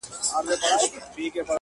نه چي اختر نمانځلی نه چي پسرلی نمانځلی!!